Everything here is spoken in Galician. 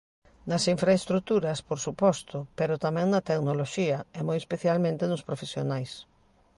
Nas infraestruturas, por suposto, pero tamén na tecnoloxía, e moi especialmente nos profesionais.